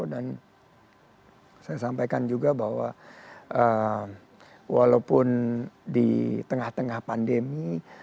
dan saya sampaikan juga bahwa walaupun di tengah tengah pandemi